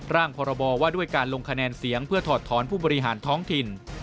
พรบว่าด้วยการลงคะแนนเสียงเพื่อถอดถอนผู้บริหารท้องถิ่น